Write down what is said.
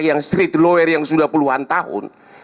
yang street lawyer yang sudah puluhan tahun